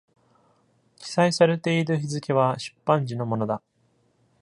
記載されている日付は出版時のものだ。